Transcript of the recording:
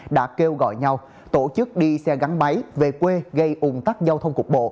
đã kêu gọi nhau tổ chức đi xe gắn máy về quê gây ủng tắc giao thông cục bộ